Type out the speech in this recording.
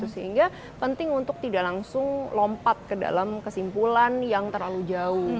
sehingga penting untuk tidak langsung lompat ke dalam kesimpulan yang terlalu jauh